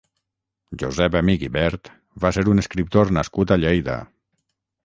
Josep Amich i Bert va ser un escriptor nascut a Lleida.